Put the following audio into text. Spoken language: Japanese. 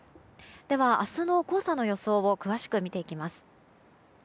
では、明日の黄砂の予想を詳しく見ていきます。